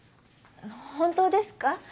本当ですか？